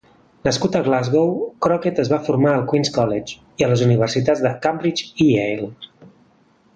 Nascut a Glasgow, Crockett es va formar al Queen's College i a les Universitats de Cambridge i Yale.